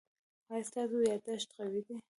ایا ستاسو یادښت قوي دی؟